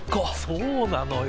そうなのよ。